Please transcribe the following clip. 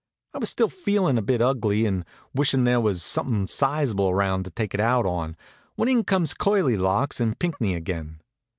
I was still feelin' a bit ugly and wishin' there was somethin' sizable around to take it out on, when in comes Curly Locks and Pinckney again.